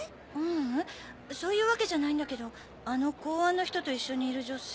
ううんそういうわけじゃないんだけどあの公安の人と一緒にいる女性